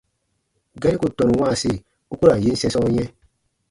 Gari ku tɔnu wãasi, u ku ra n yin sɛ̃sɔ yɛ̃.